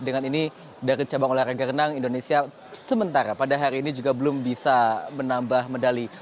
dengan ini dari cabang olahraga renang indonesia sementara pada hari ini juga belum bisa menambah medali